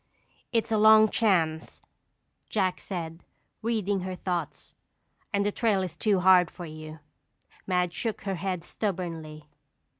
"It's a long chance," Jack said, reading her thoughts, "and the trail is too hard for you." Madge shook her head stubbornly.